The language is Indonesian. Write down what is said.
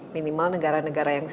minimal negara negara yang